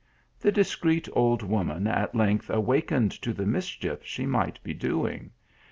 The discreet old woman at length awakened to the mischief she might be doing.